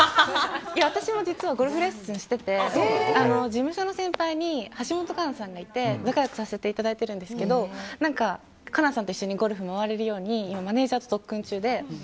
私も実はゴルフレッスンしてて事務所の先輩に橋本環奈さんがいて仲良くさせていただいてるんですけど環奈さんと一緒にゴルフを回れるように特訓中で。